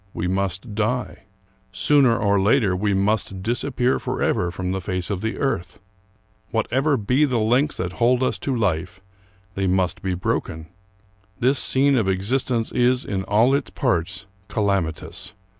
We must die. Sooner or later, we must disappear forever from the face of the earth. Whatever be the links that hold us to life, they must be broken. This scene of exist ence is, in all its parts, calamitous.